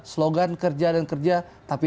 slogan kerja dan kerja tapi